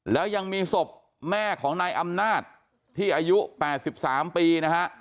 แล้วยังมีศพแม่ของนายอำนาจที่อายุ๘๓ปีนะฮะ